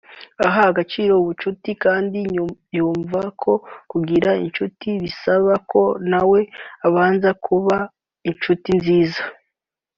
Aha agaciro ubucuti kandi yumva ko kugira incuti bisaba ko nawe ubanza ukaba incuti nziza